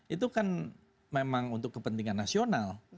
itu kan memang untuk kepentingan nasional